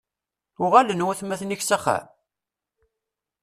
Uɣalen watmaten-ik s axxam?